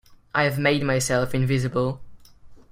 I have made myself invisible.